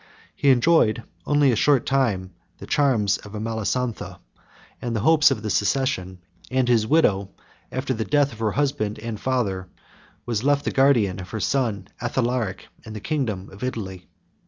He enjoyed only a short time the charms of Amalasontha, and the hopes of the succession; and his widow, after the death of her husband and father, was left the guardian of her son Athalaric, and the kingdom of Italy.